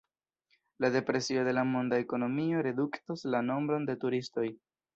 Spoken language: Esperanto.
La depresio de la monda ekonomio reduktos la nombron de turistoj.